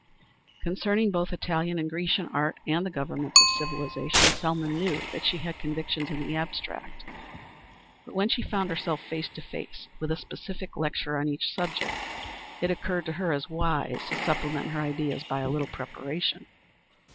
Concerning both Italian and Grecian Art and the Governments of Civilization, Selma knew that she had convictions in the abstract, but when she found herself face to face with a specific lecture on each subject, it occurred to her as wise to supplement her ideas by a little preparation.